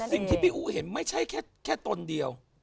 จึงที่ผิวเห็นไม่ใช่แค่แค่ต้นเดียว